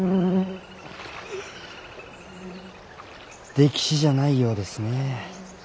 溺死じゃないようですね。